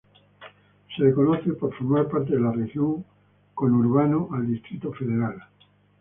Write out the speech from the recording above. Es conocida por formar parte de la región conurbano al distrito federal.